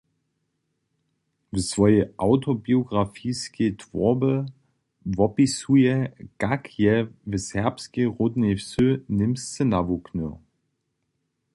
W swojej awtobiografiskej twórbje wopisuje, kak je w serbskej ródnej wsy němsce nawuknył.